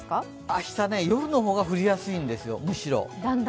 明日、夜の方が降りやすいんですよ、むしろ。